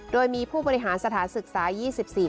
โดยมีผู้บริหารสถานศึกษา๒๔